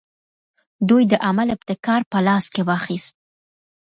دوی د عمل ابتکار په لاس کې واخیست.